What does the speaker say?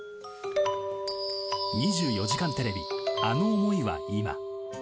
２４時間テレビあの想いは今。